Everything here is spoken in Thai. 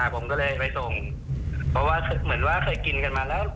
ผมก็เลยไปส่งเพราะว่าเหมือนว่าเคยกินกันมาแล้ว